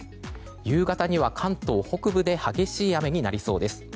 夕方には関東北部で激しい雨になりそうです。